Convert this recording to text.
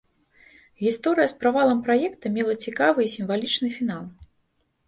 Гісторыя з правалам праекта мела цікавы і сімвалічны фінал.